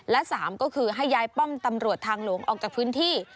และ๓ก็คือให้ย้ายป้อมตำรวจทางหลวงออกจากพื้นที่